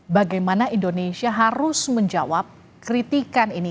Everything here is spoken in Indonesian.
bagaimana indonesia harus menjawab kritikan ini